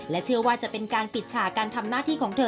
เชื่อว่าจะเป็นการปิดฉากการทำหน้าที่ของเธอ